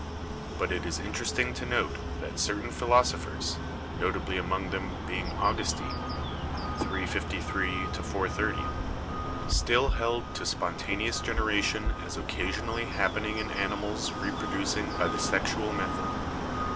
But it is interesting to note that certain philosophers, notably among them being Augustine (353 430), still held to spontaneous generation as occasionally happening in animals reproducing by the sexual method.